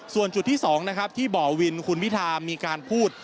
ส่วนจุดที่๒นะครับที่บ่อวินคุณพิธามีการพูด